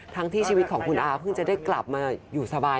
ที่ชีวิตของคุณอาเพิ่งจะได้กลับมาอยู่สบาย